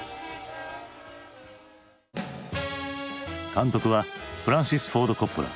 監督はフランシス・フォード・コッポラ。